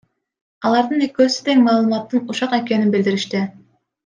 Алардын экөөсү тең маалыматтын ушак экенин билдиришти.